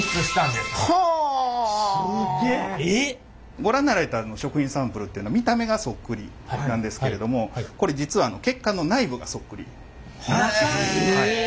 ご覧になられた食品サンプルっていうのは見た目がそっくりなんですけれどもこれ実はへえ！